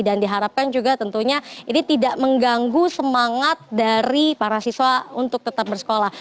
dan diharapkan juga tentunya ini tidak mengganggu semangat dari para siswa untuk tetap bersekolah